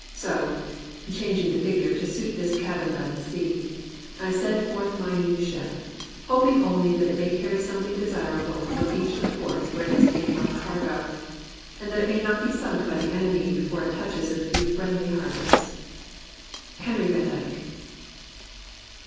So (changing the figure to suit this cabin by the sea) I send forth my new ship, hoping only that it may carry something desirable from each of the ports where it has taken on cargo, and that it may not be sunk by the enemy before it touches at a few friendly harbours. Henry van Dyke.